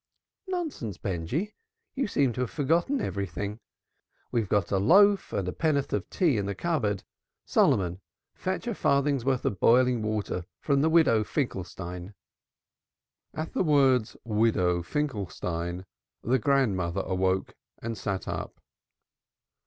"Nonsense, Benjy. You seem to have forgotten everything; we've got a loaf and a penn'uth of tea in the cupboard. Solomon, fetch a farthing's worth of boiling water from the Widow Finkelstein." At the words "widow Finkelstein," the grandmother awoke and sat up.